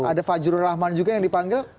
ada fajrul rahman juga yang dipanggil